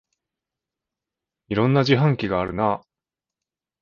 いろんな自販機があるなあ